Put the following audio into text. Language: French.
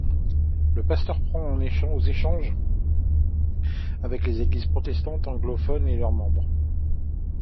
Le pasteur prend part aux échanges avec les églises protestantes anglophones et leurs membres.